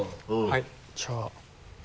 はいじゃあ。